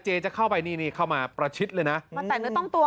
จะเข้าไปนี่นี่เข้ามาประชิดเลยนะมาแต่เนื้อต้องตัว